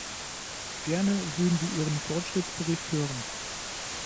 Gerne würden wir Ihren Fortschrittsbericht hören.